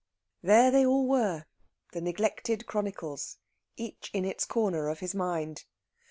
There they all were, the neglected chronicles, each in its corner of his mind.